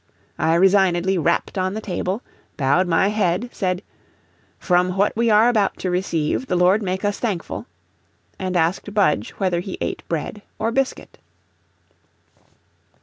I resignedly rapped on the table, bowed my head, said, "From what we are about to receive, the Lord make us thankful," and asked Budge whether he ate bread or biscuit.